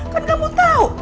kan kamu tahu